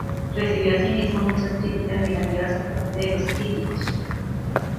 Recibió asimismo muchas críticas negativas por parte de los críticos.